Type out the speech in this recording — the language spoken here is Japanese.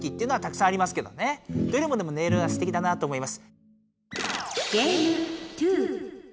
どれもでも音色がすてきだなと思います。